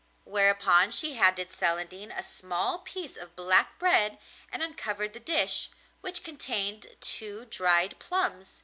Whereupon she handed Celandine a small piece of black bread and uncovered the dish, which contained two dried plums.